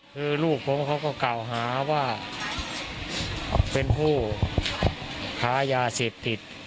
คือลูกผมเขาก็กล่าวหาว่าเป็นผู้ค้ายาเสพติด